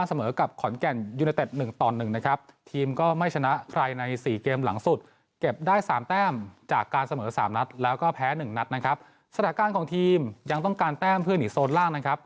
สถานการณ์ของทีมยังต้องการแต้มเพื่อหนีโซนล่างนะครับ